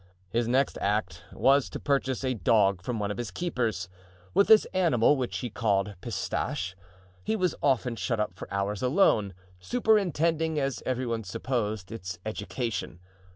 His next act was to purchase a dog from one of his keepers. With this animal, which he called Pistache, he was often shut up for hours alone, superintending, as every one supposed, its education.